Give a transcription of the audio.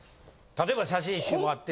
例えば写真集もあって。